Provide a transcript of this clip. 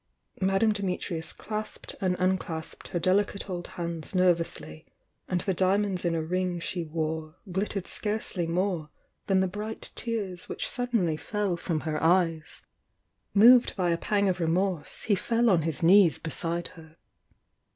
Madame Dimitrius clasped and unclasped her del icate old hands nervously, and the diamonds in a ring she wore glittered scarcely more than the bridit tears which suddenly fell from her eyes. Moved by a pang of remorse, he fell on his knees beside her.